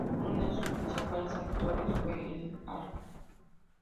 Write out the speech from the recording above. Uno de sus principales actores fue el Arq.